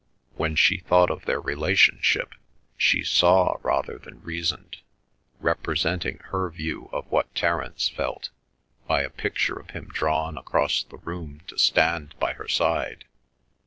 When she thought of their relationship she saw rather than reasoned, representing her view of what Terence felt by a picture of him drawn across the room to stand by her side.